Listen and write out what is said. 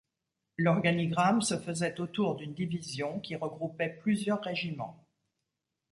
L'organigramme se faisait autour d'une division qui regroupait plusieurs régiments.